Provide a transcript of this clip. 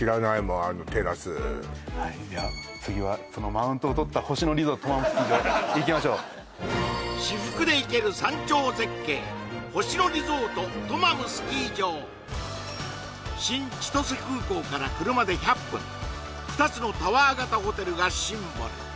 あのテラスはいじゃ次はそのマウントをとった星野リゾートトマムスキー場いきましょう新千歳空港から車で１００分２つのタワー型ホテルがシンボル